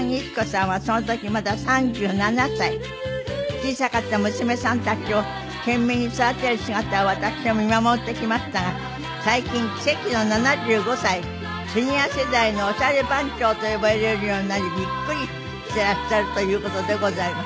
小さかった娘さんたちを懸命に育てる姿を私は見守ってきましたが最近奇跡の７５歳シニア世代のオシャレ番長と呼ばれるようになりびっくりしていらっしゃるという事でございます。